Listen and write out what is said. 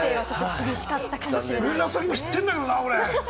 連絡先も知ってんだけれどもな、俺。